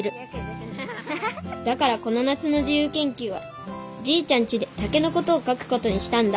だからこの夏のじゆうけんきゅうはじいちゃんちで竹のことを書くことにしたんだ